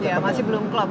ya masih belum klop